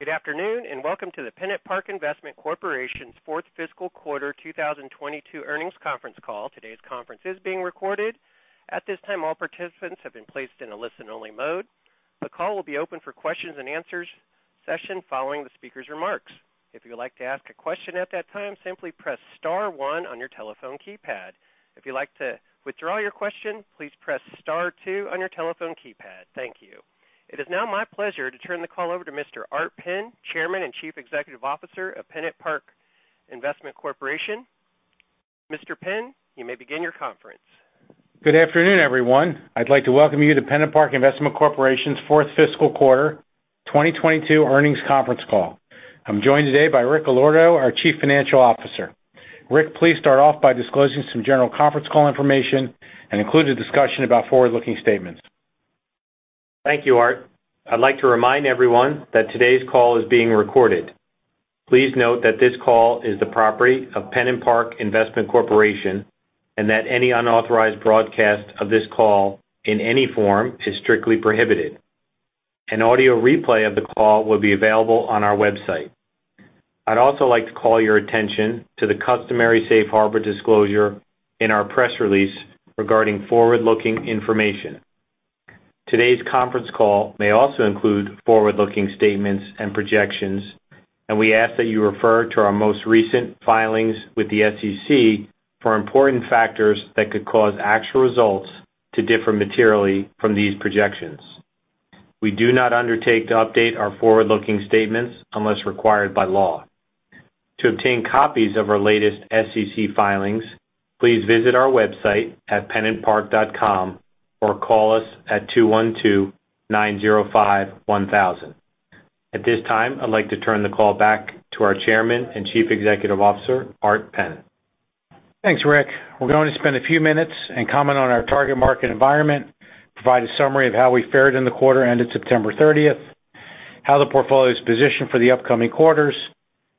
Good afternoon, and welcome to the PennantPark Investment Corporation's fourth fiscal quarter 2022 earnings conference call. Today's conference is being recorded. At this time, all participants have been placed in a listen-only mode. The call will be open for questions and answers session following the speaker's remarks. If you would like to ask a question at that time, simply press star one on your telephone keypad. If you'd like to withdraw your question, please press star two on your telephone keypad. Thank you. It is now my pleasure to turn the call over to Mr. Art Penn, Chairman and Chief Executive Officer of PennantPark Investment Corporation. Mr. Penn, you may begin your conference. Good afternoon, everyone. I'd like to welcome you to PennantPark Investment Corporation's fourth fiscal quarter 2022 earnings conference call. I'm joined today by Richard T. Allorto, Jr., our Chief Financial Officer. Richard T. Allorto, Jr., please start off by disclosing some general conference call information and include a discussion about forward-looking statements. Thank you, Art. I'd like to remind everyone that today's call is being recorded. Please note that this call is the property of PennantPark Investment Corporation, and that any unauthorized broadcast of this call in any form is strictly prohibited. An audio replay of the call will be available on our website. I'd also like to call your attention to the customary safe harbor disclosure in our press release regarding forward-looking information. Today's conference call may also include forward-looking statements and projections, and we ask that you refer to our most recent filings with the SEC for important factors that could cause actual results to differ materially from these projections. We do not undertake to update our forward-looking statements unless required by law. To obtain copies of our latest SEC filings, please visit our website at pennantpark.com or call us at 212-905-1000. At this time, I'd like to turn the call back to our Chairman and Chief Executive Officer, Art Penn. Thanks, Richard. We're going to spend a few minutes and comment on our target market environment, provide a summary of how we fared in the quarter ended September 30th, how the portfolio is positioned for the upcoming quarters,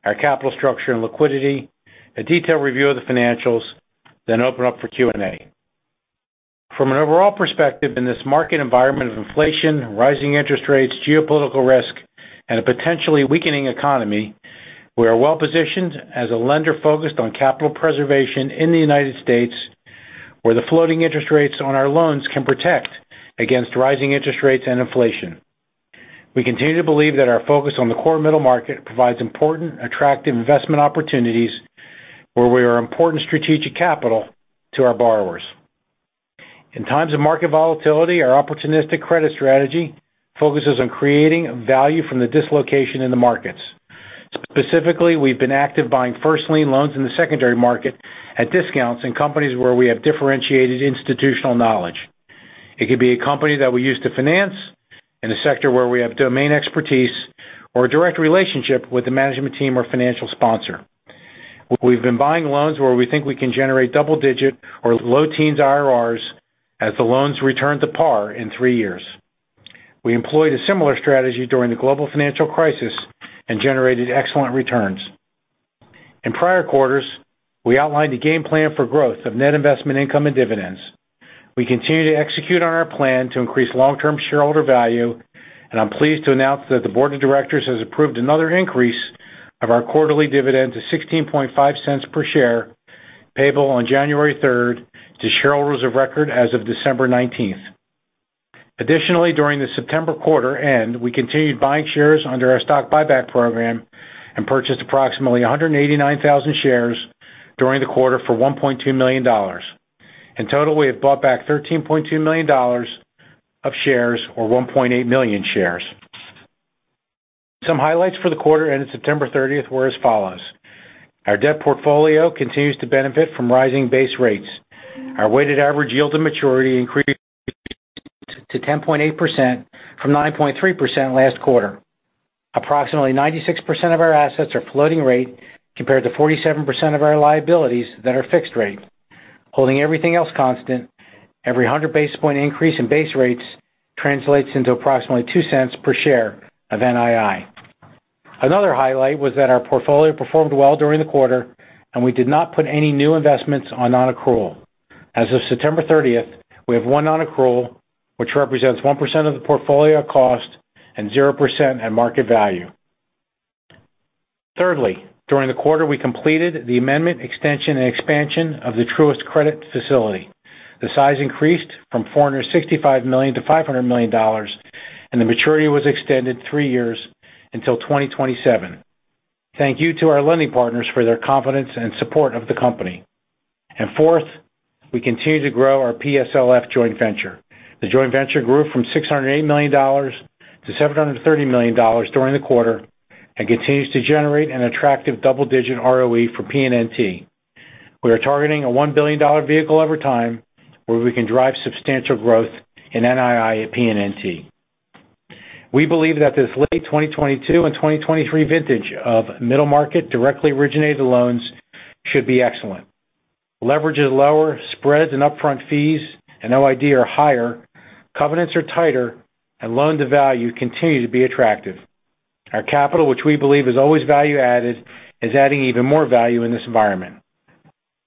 our capital structure and liquidity, a detailed review of the financials, then open up for Q&A. From an overall perspective, in this market environment of inflation, rising interest rates, geopolitical risk, and a potentially weakening economy, we are well-positioned as a lender focused on capital preservation in the United States, where the floating interest rates on our loans can protect against rising interest rates and inflation. We continue to believe that our focus on the core middle-market provides important, attractive investment opportunities where we are important strategic capital to our borrowers. In times of market volatility, our opportunistic credit strategy focuses on creating value from the dislocation in the markets. Specifically, we've been active buying first lien loans in the secondary market at discounts in companies where we have differentiated institutional knowledge. It could be a company that we use to finance in a sector where we have domain expertise or a direct relationship with the management team or financial sponsor. We've been buying loans where we think we can generate double-digit or low teens IRRs as the loans return to par in three years. We employed a similar strategy during the global financial crisis and generated excellent returns. In prior quarters, we outlined a game plan for growth of net investment income and dividends. We continue to execute on our plan to increase long-term shareholder value, and I'm pleased to announce that the Board of Directors has approved another increase of our quarterly dividend to $0.165 per share, payable on January 3rd to shareholders of record as of December 19th. Additionally, during the September quarter-end, we continued buying shares under our stock buyback program and purchased approximately 189,000 shares during the quarter for $1.2 million. In total, we have bought back $13.2 million of shares or 1.8 million shares. Some highlights for the quarter ended September 30th were as follows. Our debt portfolio continues to benefit from rising base rates. Our weighted average yield to maturity increased to 10.8% from 9.3% last quarter. Approximately 96% of our assets are floating rate compared to 47% of our liabilities that are fixed rate. Holding everything else constant, every 100 basis point increase in base rates translates into approximately $0.02 per share of NII. Another highlight was that our portfolio performed well during the quarter, and we did not put any new investments on non-accrual. As of September 30th, we have one non-accrual, which represents 1% of the portfolio cost and 0% at market value. Thirdly, during the quarter, we completed the amendment, extension, and expansion of the Truist credit facility. The size increased from $465 million-$500 million, and the maturity was extended three years until 2027. Thank you to our lending partners for their confidence and support of the company. Fourth, we continue to grow our PSLF joint venture. The joint venture grew from six hundred and eight million dollars to seven hundred and thirty million dollars during the quarter and continues to generate an attractive double-digit ROE for PNNT. We are targeting a one billion dollar vehicle over time where we can drive substantial growth in NII at PNNT. We believe that this late twenty twenty-two and twenty twenty-three vintage of middle-market directly originated loans should be excellent. Leverage is lower, spreads and upfront fees and OID are higher, covenants are tighter, and loan to value continue to be attractive. Our capital, which we believe is always value-added, is adding even more value in this environment.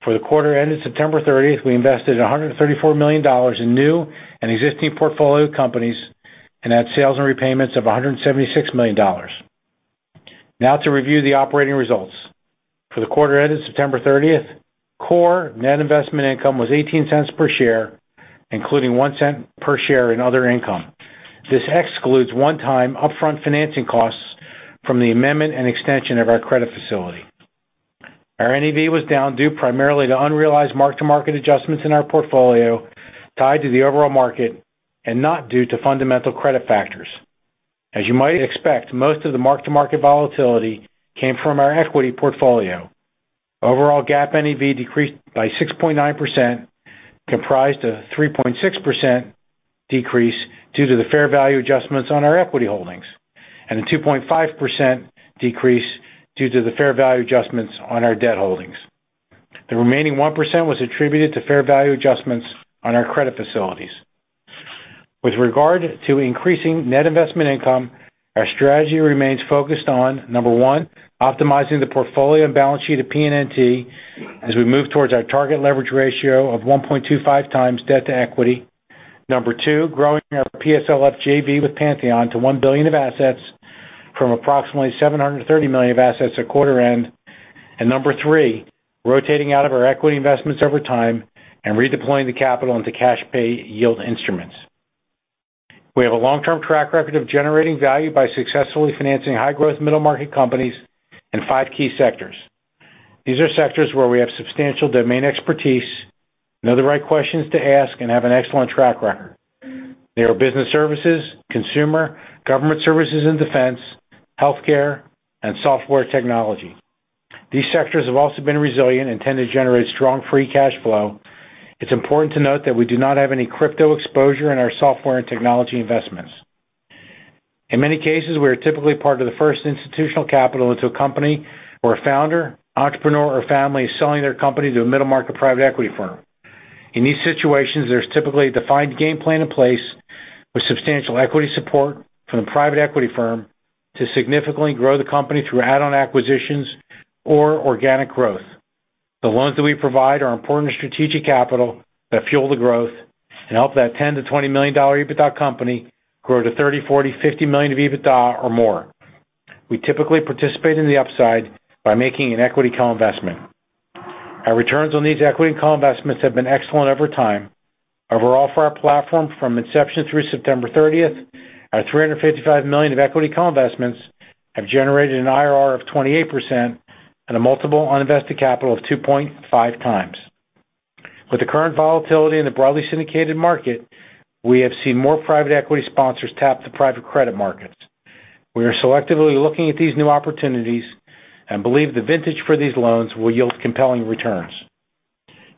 For the quarter ended September thirtieth, we invested a hundred and thirty-four million dollars in new and existing portfolio companies and had sales and repayments of a hundred and seventy-six million dollars. Now to review the operating results. For the quarter ended September 30th, core net investment income was $0.18 per share, including $0.01 per share in other income. This excludes one-time upfront financing costs from the amendment and extension of our credit facility. Our NAV was down due primarily to unrealized mark-to-market adjustments in our portfolio tied to the overall market and not due to fundamental credit factors. As you might expect, most of the mark-to-market volatility came from our equity portfolio. Overall, GAAP NAV decreased by 6.9%, comprised a 3.6% decrease due to the fair value adjustments on our equity holdings, and a 2.5% decrease due to the fair value adjustments on our debt holdings. The remaining 1% was attributed to fair value adjustments on our credit facilities. With regard to increasing net investment income, our strategy remains focused on, number one, optimizing the portfolio and balance sheet of PNNT as we move towards our target leverage ratio of 1.25x debt-to-equity. Number two, growing our PSLF JV with Pantheon to $1 billion of assets from approximately $730 million of assets at quarter-end. Number three, rotating out of our equity investments over time and redeploying the capital into cash-pay yield instruments. We have a long-term track record of generating value by successfully financing high-growth middle-market companies in five key sectors. These are sectors where we have substantial domain expertise, know the right questions to ask, and have an excellent track record. They are business services, consumer, government services and defense, healthcare, and software technology. These sectors have also been resilient and tend to generate strong free cash flow. It's important to note that we do not have any crypto exposure in our software and technology investments. In many cases, we are typically part of the first institutional capital into a company where a founder, entrepreneur, or family is selling their company to a middle-market private equity firm. In these situations, there's typically a defined game plan in place with substantial equity support from the private equity firm to significantly grow the company through add-on acquisitions or organic growth. The loans that we provide are important strategic capital that fuel the growth and help that 10-20 million-dollar EBITDA company grow to $30, $40, $50 million of EBITDA or more. We typically participate in the upside by making an equity co-investment. Our returns on these equity and co-investments have been excellent over time. Overall, for our platform from inception through September 30th, our $355 million of equity co-investments have generated an IRR of 28% and a multiple on invested capital of 2.5x. With the current volatility in the broadly syndicated market, we have seen more private equity sponsors tap the private credit markets. We are selectively looking at these new opportunities and believe the vintage for these loans will yield compelling returns.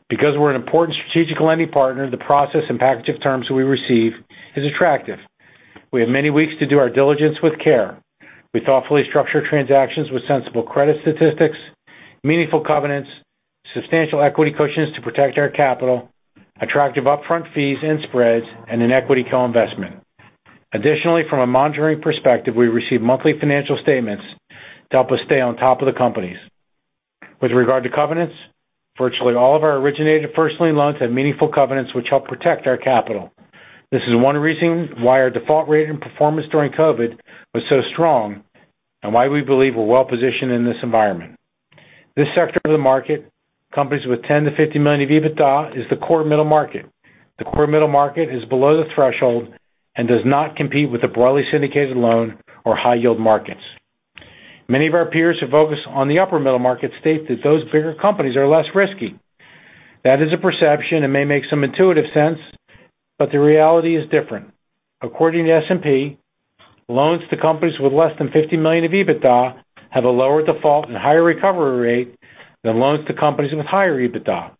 Because we're an important strategic lending partner, the process and package of terms we receive is attractive. We have many weeks to do our diligence with care. We thoughtfully structure transactions with sensible credit statistics, meaningful covenants, substantial equity cushions to protect our capital, attractive upfront fees and spreads, and an equity co-investment. Additionally, from a monitoring perspective, we receive monthly financial statements to help us stay on top of the companies. With regard to covenants, virtually all of our originated proprietary loans have meaningful covenants which help protect our capital. This is one reason why our default rate and performance during COVID was so strong and why we believe we're well-positioned in this environment. This sector of the market, companies with $10 million-$50 million of EBITDA, is the core middle market. The core middle market is below the threshold and does not compete with the broadly syndicated loan or high-yield markets. Many of our peers who focus on the upper middle market state that those bigger companies are less risky. That is a perception. It may make some intuitive sense, but the reality is different. According to S&P, loans to companies with less than $50 million of EBITDA have a lower default and higher recovery rate than loans to companies with higher EBITDA.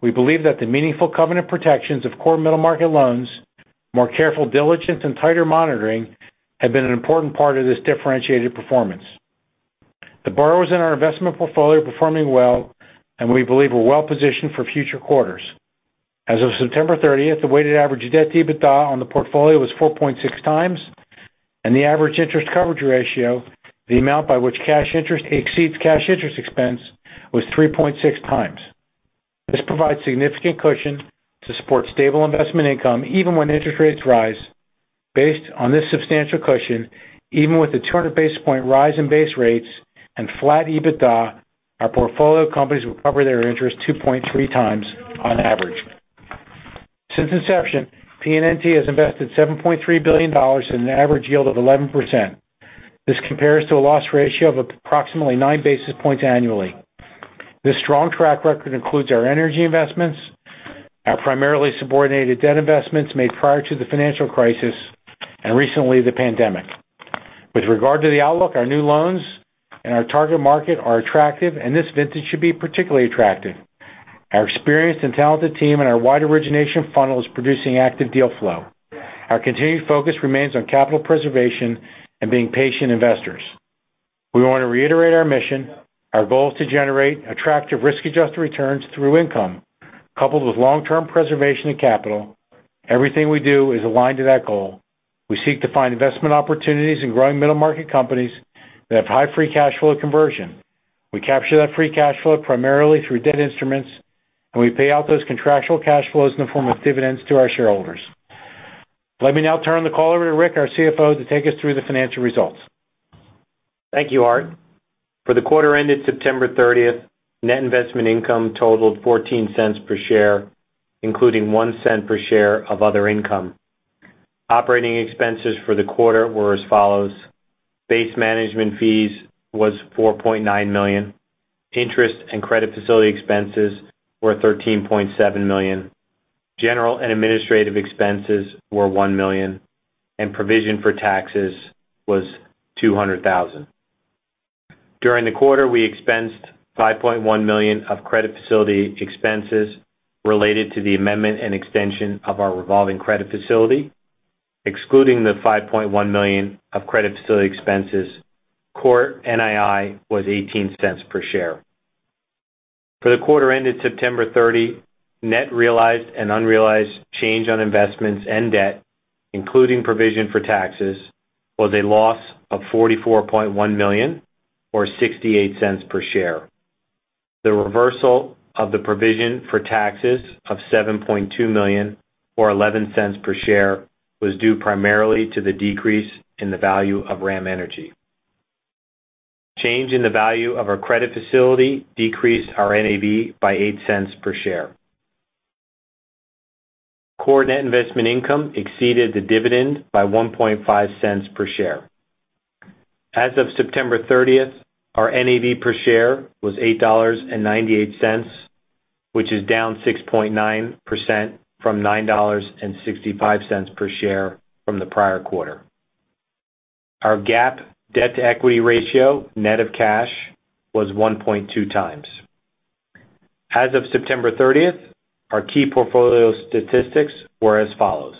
We believe that the meaningful covenant protections of core middle market loans, more careful diligence, and tighter monitoring have been an important part of this differentiated performance. The borrowers in our investment portfolio are performing well, and we believe we're well-positioned for future quarters. As of September 30th, the weighted average debt to EBITDA on the portfolio was 4.6x, and the average interest coverage ratio, the amount by which cash interest exceeds cash interest expense, was 3.6x. This provides significant cushion to support stable investment income even when interest rates rise. Based on this substantial cushion, even with a 200 basis point rise in base rates and flat EBITDA, our portfolio companies will cover their interest 2.3x on average. Since inception, PNNT has invested $7.3 billion in an average yield of 11%. This compares to a loss ratio of approximately 9 basis points annually. This strong track record includes our energy investments, our primarily subordinated debt investments made prior to the financial crisis, and recently, the pandemic. With regard to the outlook, our new loans and our target market are attractive, and this vintage should be particularly attractive. Our experienced and talented team and our wide origination funnel is producing active deal flow. Our continued focus remains on capital preservation and being patient investors. We want to reiterate our mission. Our goal is to generate attractive risk-adjusted returns through income. Coupled with long-term preservation of capital, everything we do is aligned to that goal. We seek to find investment opportunities in growing middle-market companies that have high free cash flow conversion. We capture that free cash flow primarily through debt instruments, and we pay out those contractual cash flows in the form of dividends to our shareholders. Let me now turn the call over to Richard, our CFO, to take us through the financial results. Thank you, Art. For the quarter ended September 30th, net investment income totaled $0.14 per share, including $0.01 per share of other income. Operating expenses for the quarter were as follows. Base management fees was $4.9 million, interest and credit facility expenses were $13.7 million, general and administrative expenses were $1 million, and provision for taxes was $200,000. During the quarter, we expensed $5.1 million of credit facility expenses related to the amendment and extension of our revolving credit facility. Excluding the $5.1 million of credit facility expenses, core NII was $0.18 per share. For the quarter ended September 30, net realized and unrealized change on investments and debt, including provision for taxes, was a loss of $44.1 million or $0.68 per share. The reversal of the provision for taxes of $7.2 million or $0.11 per share was due primarily to the decrease in the value of RAM Energy. Change in the value of our credit facility decreased our NAV by $0.08 per share. Core net investment income exceeded the dividend by $0.015 per share. As of September 30th, our NAV per share was $8.98, which is down 6.9% from $9.65 per share from the prior quarter. Our GAAP debt-to-equity ratio, net of cash, was 1.2x. As of September 30th, our key portfolio statistics were as follows.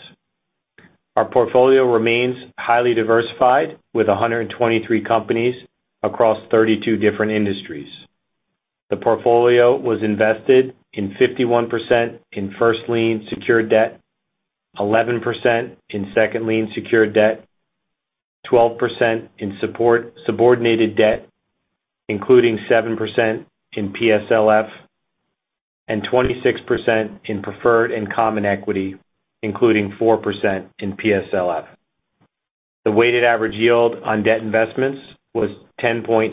Our portfolio remains highly diversified with 123 companies across 32 different industries. The portfolio was invested in 51% in first lien secured debt, 11% in second lien secured debt, 12% in subordinated debt, including 7% in PSLF, and 26% in preferred and common equity, including 4% in PSLF. The weighted average yield on debt investments was 10.8%.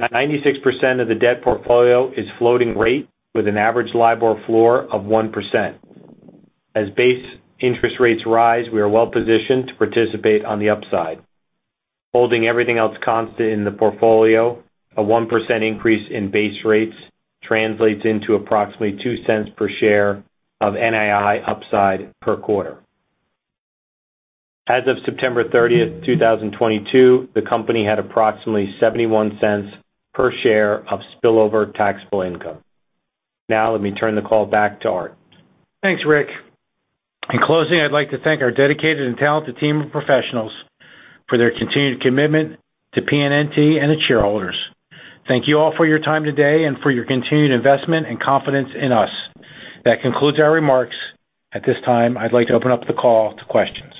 96% of the debt portfolio is floating rate with an average LIBOR floor of 1%. As base interest rates rise, we are well positioned to participate on the upside. Holding everything else constant in the portfolio, a 1% increase in base rates translates into approximately $0.02 per share of NII upside per quarter. As of September 30th, 2022, the company had approximately $0.71 per share of spillover taxable income. Now, let me turn the call back to Art. Thanks, Richard. In closing, I'd like to thank our dedicated and talented team of professionals for their continued commitment to PNNT and its shareholders. Thank you all for your time today and for your continued investment and confidence in us. That concludes our remarks. At this time, I'd like to open up the call to questions.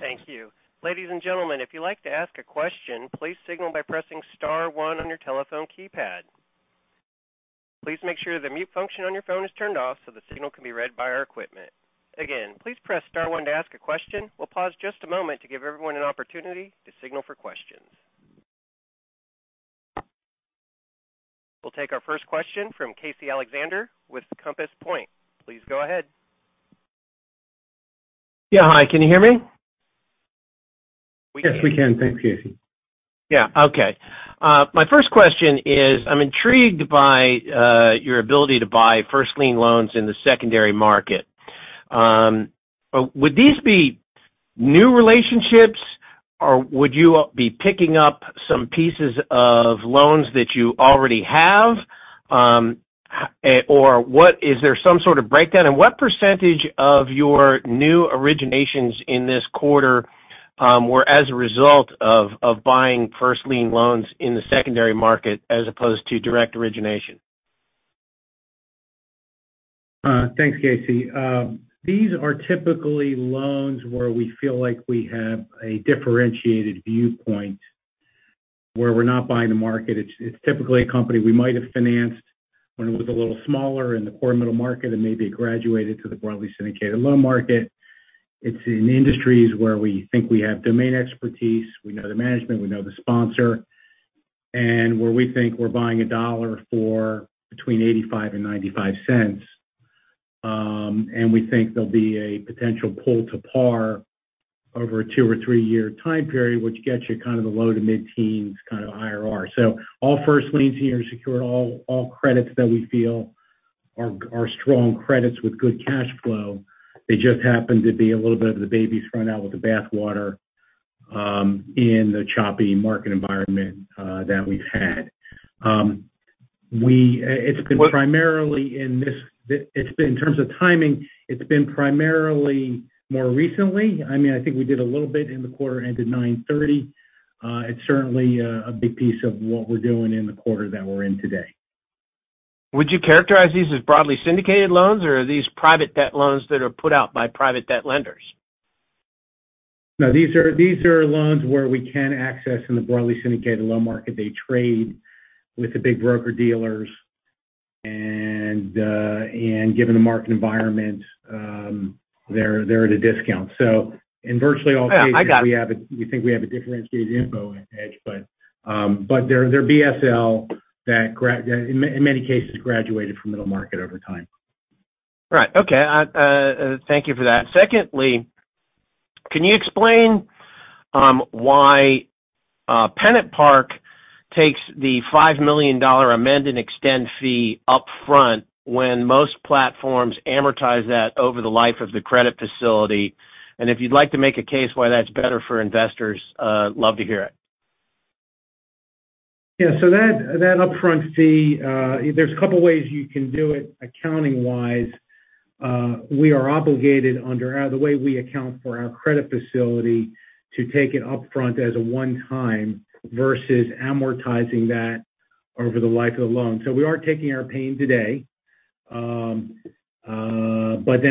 Thank you. Ladies and gentlemen, if you'd like to ask a question, please signal by pressing star one on your telephone keypad. Please make sure the mute function on your phone is turned off so the signal can be read by our equipment. Again, please press star one to ask a question. We'll pause just a moment to give everyone an opportunity to signal for questions. We'll take our first question from Casey Alexander with Compass Point. Please go ahead. Yeah. Hi, can you hear me? Yes, we can. Thanks, Casey. Yeah. Okay. My first question is, I'm intrigued by your ability to buy first lien loans in the secondary market. Would these be new relationships or would you be picking up some pieces of loans that you already have? Is there some sort of breakdown? What % of your new originations in this quarter were as a result of buying first lien loans in the secondary market as opposed to direct origination? Thanks, Casey. These are typically loans where we feel like we have a differentiated viewpoint where we're not buying the market. It's typically a company we might have financed when it was a little smaller in the core middle market and maybe it graduated to the broadly syndicated loan market. It's in industries where we think we have domain expertise, we know the management, we know the sponsor, and where we think we're buying a dollar for between $0.85 and $0.95. We think there'll be a potential pull to par over a two or three-year time period, which gets you kind of the low to mid-teens kind of IRR. All first liens here are secured, all credits that we feel are strong credits with good cash flow. They just happen to be a little bit of the babies thrown out with the bathwater in the choppy market environment that we've had. In terms of timing, it's been primarily more recently. I mean, I think we did a little bit in the quarter ended 9/30. It's certainly a big piece of what we're doing in the quarter that we're in today. Would you characterize these as broadly syndicated loans or are these private debt loans that are put out by private debt lenders? No, these are loans where we can access in the broadly syndicated loan market. They trade with the big broker-dealers and given the market environment, they're at a discount. In virtually all cases. Yeah, I got it. We think we have a differentiated info edge. They're BSL that in many cases graduated from middle market over time. Right. Okay. Thank you for that. Secondly, can you explain why PennantPark takes the $5 million amend-and-extend fee up front when most platforms amortize that over the life of the credit facility? If you'd like to make a case why that's better for investors, love to hear it. That upfront fee, there's a couple of ways you can do it accounting-wise. We are obligated under the way we account for our credit facility to take it up front as a one-time versus amortizing that over the life of the loan. We are taking our pain today.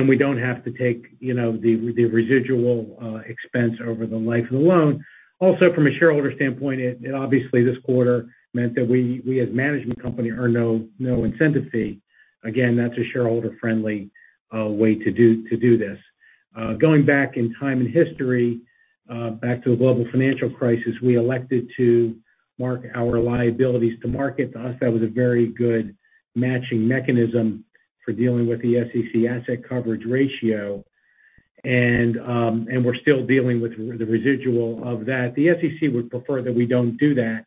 We don't have to take, you know, the residual expense over the life of the loan. Also, from a shareholder standpoint, it obviously this quarter meant that we as a management company earn no incentive fee. Again, that's a shareholder-friendly way to do this. Going back in time in history, back to the global financial crisis, we elected to mark our liabilities to market. To us, that was a very good matching mechanism for dealing with the SEC asset coverage ratio. We're still dealing with the residual of that. The SEC would prefer that we don't do that,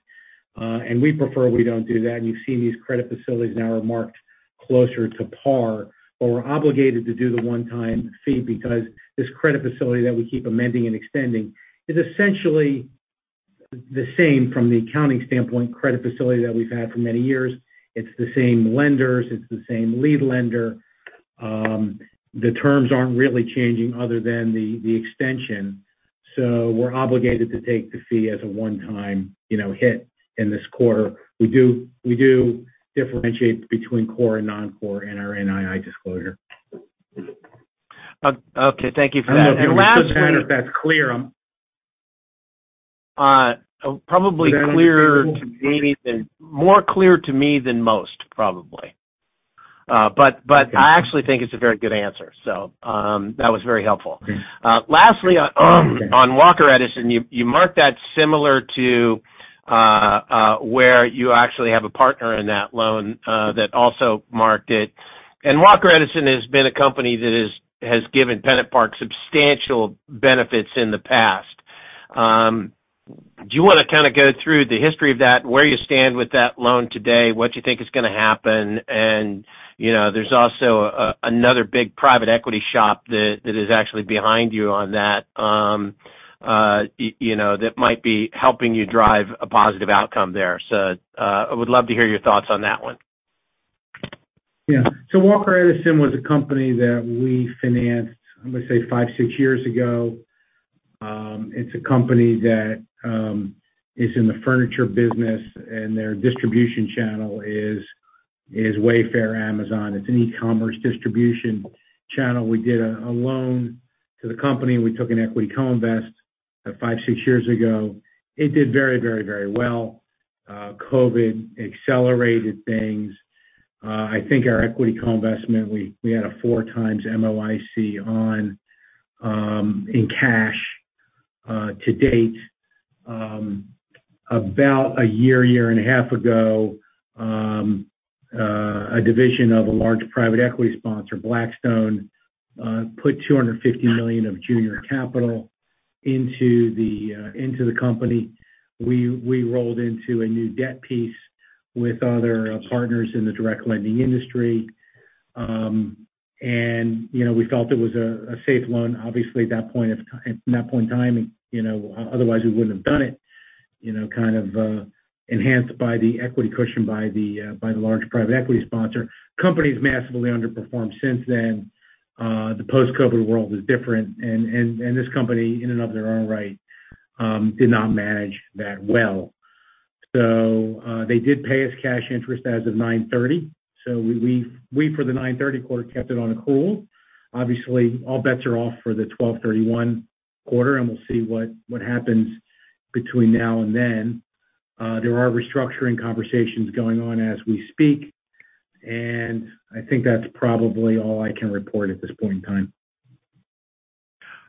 and we prefer we don't do that. You've seen these credit facilities now are marked closer to par, but we're obligated to do the one-time fee because this credit facility that we keep amending and extending is essentially the same from the accounting standpoint, credit facility that we've had for many years. It's the same lenders, it's the same lead lender. The terms aren't really changing other than the extension. We're obligated to take the fee as a one-time, you know, hit in this quarter. We do differentiate between core and non-core in our NII disclosure. Okay. Thank you for that. Lastly. I don't know if that's clear. More clear to me than most, probably. I actually think it's a very good answer. That was very helpful. Okay. Lastly, on Walker Edison, you marked that similar to where you actually have a partner in that loan that also marked it. Walker Edison has been a company that has given PennantPark substantial benefits in the past. Do you wanna kinda go through the history of that, where you stand with that loan today, what you think is gonna happen? You know, there's also another big private equity shop that is actually behind you on that, you know, that might be helping you drive a positive outcome there. I would love to hear your thoughts on that one. Yeah. Walker Edison was a company that we financed, I'm gonna say five, six years ago. It's a company that is in the furniture business, and their distribution channel is Wayfair, Amazon. It's an e-commerce distribution channel. We did a loan to the company, and we took an equity co-invest five, six years ago. It did very, very, very well. COVID accelerated things. I think our equity co-investment, we had a 4x MOIC on in cash to date. About a year and a half ago, a division of a large private equity sponsor, Blackstone, put $250 million of junior capital into the company. We rolled into a new debt piece with other partners in the direct lending industry. You know, we felt it was a safe loan, obviously, at that point in time, you know, otherwise we wouldn't have done it. You know, kind of enhanced by the equity cushion by the large private equity sponsor. Company's massively underperformed since then. The post-COVID world is different, and this company, in and of their own right, did not manage that well. They did pay us cash interest as of 9/30. We for the 9/30 quarter, kept it on a hold. Obviously, all bets are off for the 12/31 quarter, and we'll see what happens between now and then. There are restructuring conversations going on as we speak, and I think that's probably all I can report at this point in time.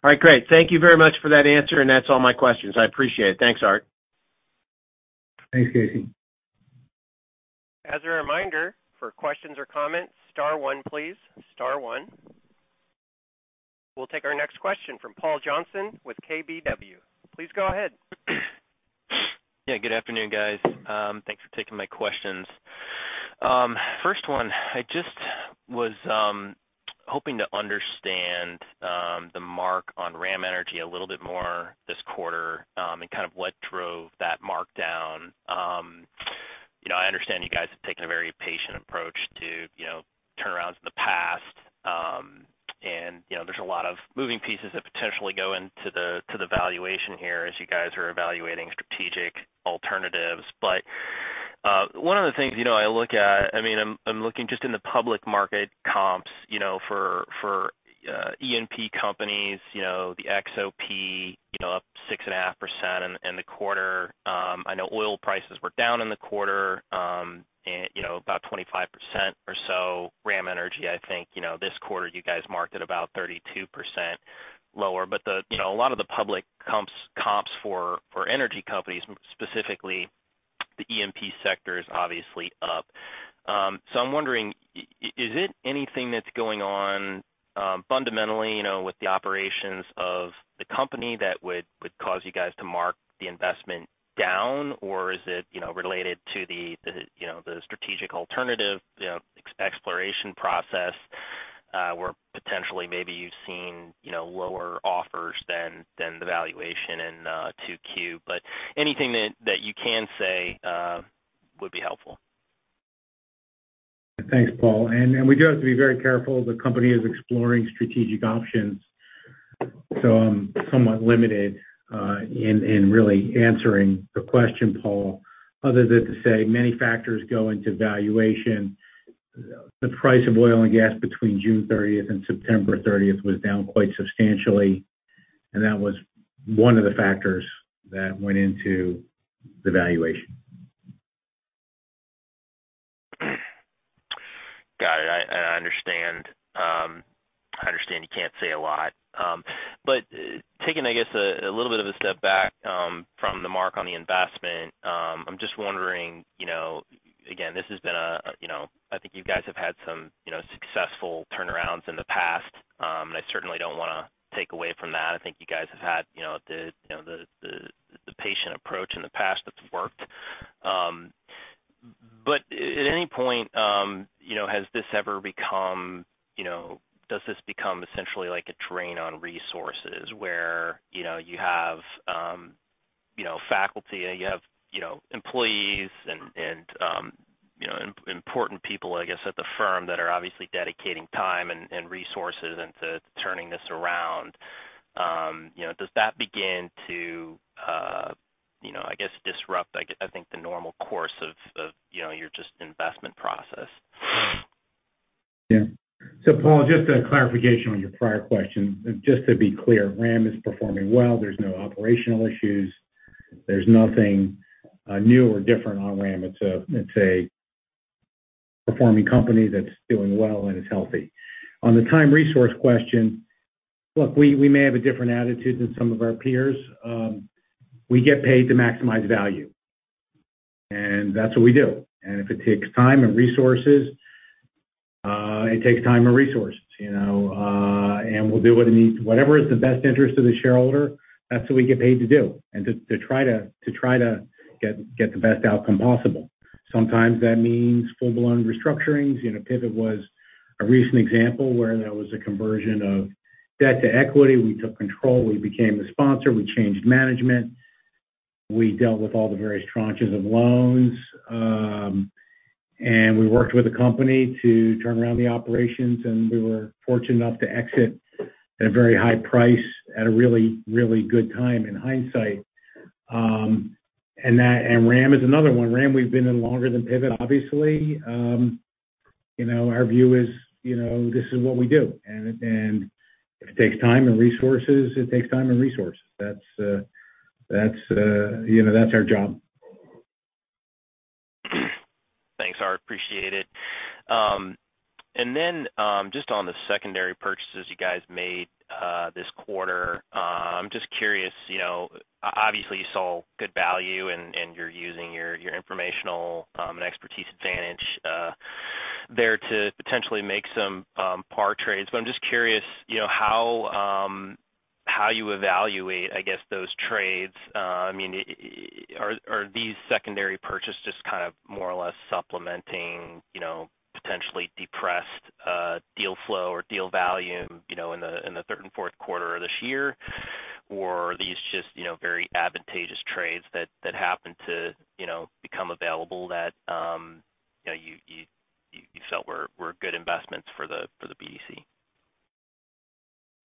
All right. Great. Thank you very much for that answer, and that's all my questions. I appreciate it. Thanks, Art. Thanks, Casey. As a reminder, for questions or comments, star one, please. Star one. We'll take our next question from Paul Johnson with KBW. Please go ahead. Yeah, good afternoon, guys. Thanks for taking my questions. First one, I just was hoping to understand the mark on RAM Energy a little bit more this quarter and kind of what drove that mark down. You know, I understand you guys have taken a very patient approach to moving pieces that potentially go into the valuation here as you guys are evaluating strategic alternatives. One of the things, you know, I look at, I mean, I'm looking just in the public market comps, you know, for E&P companies, you know, the XOP, you know, up 6.5% in the quarter. I know oil prices were down in the quarter and, you know, about 25% or so. RAM Energy, I think, you know, this quarter you guys marked at about 32% lower. You know, a lot of the public comps for energy companies, specifically the E&P sector, is obviously up. I'm wondering, is it anything that's going on fundamentally, you know, with the operations of the company that would cause you guys to mark the investment down? Is it, you know, related to, you know, the strategic alternative, you know, exploration process where potentially maybe you've seen, you know, lower offers than the valuation in 2Q? Anything that you can say would be helpful. Thanks, Paul. We do have to be very careful. The company is exploring strategic options, so I'm somewhat limited in really answering the question, Paul, other than to say many factors go into valuation. The price of oil and gas between June 30th and September 30th was down quite substantially, and that was one of the factors that went into the valuation. Got it. I understand. I understand you can't say a lot. Taking, I guess, a little bit of a step back from the mark on the investment, I'm just wondering, you know, again, I think you guys have had some, you know, successful turnarounds in the past. I certainly don't wanna take away from that. I think you guys have had, you know, the patient approach in the past that's worked. At any point, you know, does this become essentially like a drain on resources where, you know, you have, you know, faculty, you have, you know, employees and, you know, important people, I guess, at the firm that are obviously dedicating time and resources into turning this around? You know, does that begin to, you know, I guess disrupt, I think, the normal course of, you know, your just investment process? Yeah. Paul, just a clarification on your prior question, just to be clear, RAM is performing well. There's no operational issues. There's nothing new or different on RAM. It's a performing company that's doing well and is healthy. On the time resource question, look, we may have a different attitude than some of our peers. We get paid to maximize value, and that's what we do. If it takes time and resources, you know, and we'll do what it needs. Whatever is the best interest of the shareholder, that's what we get paid to do, and to try to get the best outcome possible. Sometimes that means full-blown restructurings. You know, Pivot was a recent example where there was a conversion of debt to equity. We took control. We became the sponsor. We changed management. We dealt with all the various tranches of loans. We worked with the company to turn around the operations, and we were fortunate enough to exit at a very high price at a really good time in hindsight. RAM is another one. RAM, we've been in longer than Pivot, obviously. You know, our view is, you know, this is what we do. If it takes time and resources, it takes time and resources. You know, that's our job. Thanks, Art, appreciate it. Just on the secondary purchases you guys made this quarter, I'm just curious, you know, obviously you saw good value and you're using your informational and expertise advantage there to potentially make some par trades. I'm just curious, you know, how you evaluate, I guess, those trades. I mean, are these secondary purchases kind of more or less supplementing, you know, potentially depressed deal flow or deal value, you know, in the third and fourth quarter of this year? Are these just, you know, very advantageous trades that happen to, you know, become available that, you know, you felt were good investments for the BDC?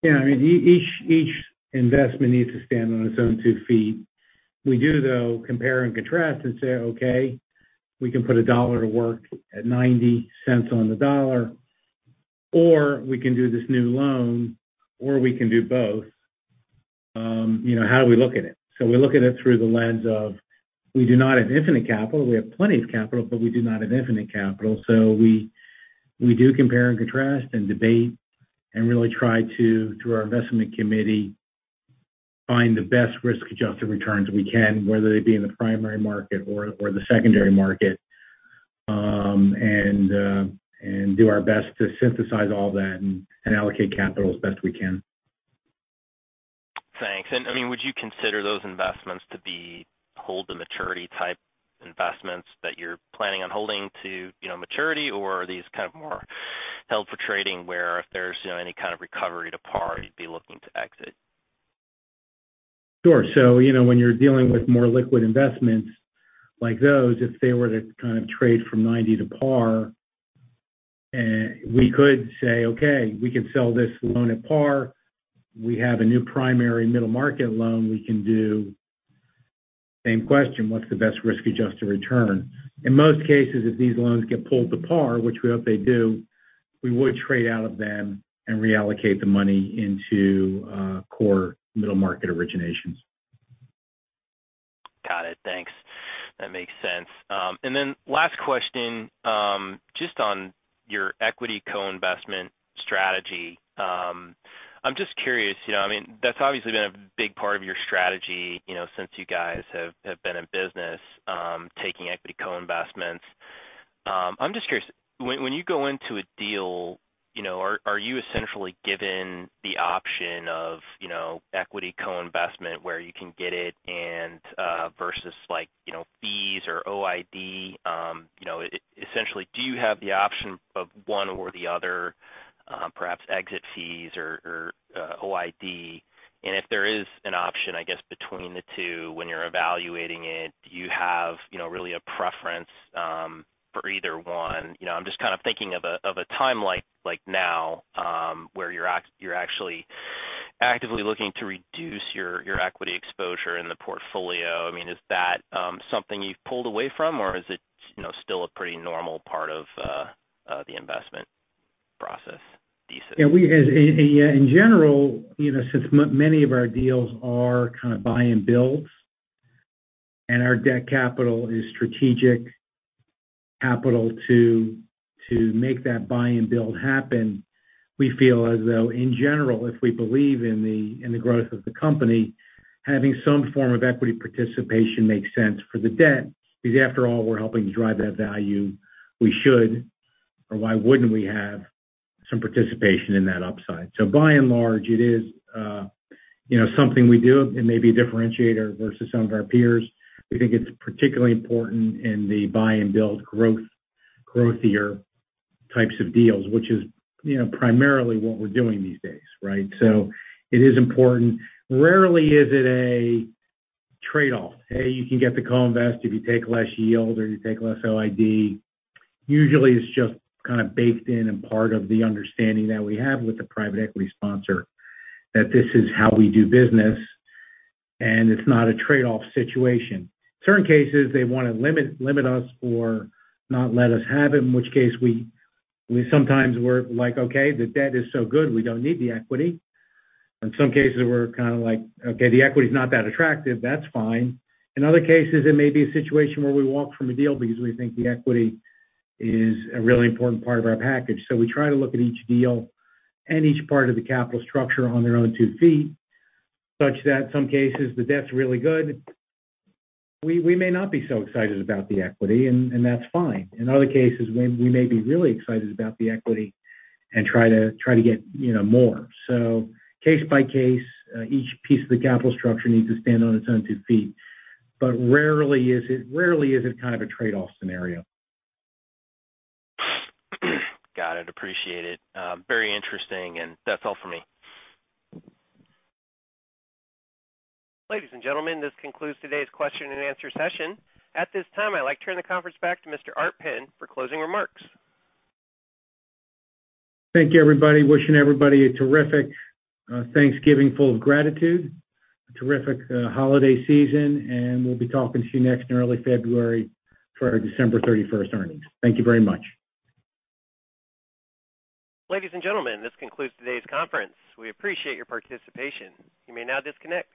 Yeah. I mean, each investment needs to stand on its own two feet. We do, though, compare and contrast and say, "Okay, we can put a dollar to work at $0.90 on the dollar, or we can do this new loan, or we can do both." You know, how do we look at it? We look at it through the lens of, we do not have infinite capital. We have plenty of capital, but we do not have infinite capital. We do compare and contrast and debate and really try to, through our investment committee, find the best risk-adjusted returns we can, whether they be in the primary market or the secondary market, and do our best to synthesize all that and allocate capital as best we can. Thanks. I mean, would you consider those investments to be hold-to-maturity type investments that you're planning on holding to, you know, maturity? Are these kind of more held for trading where if there's, you know, any kind of recovery to par, you'd be looking to exit? Sure. You know, when you're dealing with more liquid investments like those, if they were to kind of trade from 90 to par, we could say, "Okay, we can sell this loan at par. We have a new primary middle-market loan we can do." Same question, what's the best risk-adjusted return? In most cases, if these loans get pulled to par, which we hope they do, we would trade out of them and reallocate the money into core middle-market originations. Got it. Thanks. That makes sense. Last question, just on your equity co-investment strategy. I'm just curious, you know, I mean, that's obviously been a big part of your strategy, you know, since you guys have been in business, taking equity co-investments. I'm just curious. When you go into a deal, you know, are you essentially given the option of, you know, equity co-investment where you can get it versus like, you know, fees or OID, you know, essentially do you have the option of one or the other, perhaps exit fees or OID? If there is an option, I guess, between the two when you're evaluating it, do you have, you know, really a preference for either one? You know, I'm just kind of thinking of a time like now where you're actually actively looking to reduce your equity exposure in the portfolio. I mean, is that something you've pulled away from or is it, you know, still a pretty normal part of the investment process thesis? Yeah. In general, you know, since many of our deals are kind of buy and builds, and our debt capital is strategic capital to make that buy and build happen, we feel as though, in general, if we believe in the growth of the company, having some form of equity participation makes sense for the debt because after all, we're helping drive that value. We should or why wouldn't we have some participation in that upside? By and large it is, you know, something we do. It may be a differentiator versus some of our peers. We think it's particularly important in the buy and build growth, growthier types of deals, which is, you know, primarily what we're doing these days, right? It is important. Rarely is it a trade-off. Hey, you can get the co-invest if you take less yield or you take less OID. Usually, it's just kind of baked in and part of the understanding that we have with the private equity sponsor that this is how we do business and it's not a trade-off situation. Certain cases they wanna limit us or not let us have it, in which case we sometimes we're like, "Okay, the debt is so good, we don't need the equity." In some cases, we're kinda like, "Okay, the equity's not that attractive, that's fine." In other cases, it may be a situation where we walk from a deal because we think the equity is a really important part of our package. We try to look at each deal and each part of the capital structure on their own two feet such that some cases the debt's really good. We, we may not be so excited about the equity and that's fine. In other cases, when we may be really excited about the equity and try to, try to get, you know, more. So case by case, uh, each piece of the capital structure needs to stand on its own two feet. But rarely is it, rarely is it kind of a trade-off scenario. Got it. Appreciate it. Very interesting, and that's all for me. Ladies and gentlemen, this concludes today's question and answer session. At this time, I'd like to turn the conference back to Mr. Art Penn for closing remarks. Thank you, everybody. Wishing everybody a terrific Thanksgiving full of gratitude, a terrific holiday season. We'll be talking to you next in early February for our December 31st earnings. Thank you very much. Ladies and gentlemen, this concludes today's conference. We appreciate your participation. You may now disconnect.